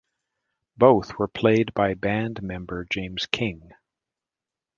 Both were played by band member James King.